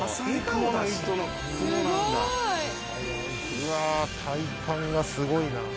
うわあ体幹がすごいな。